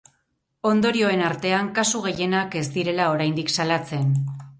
Ondorioen artean, kasu gehienak ez direla oraindik salatzen.